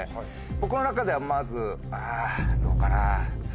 僕の中ではまずあぁどうかな。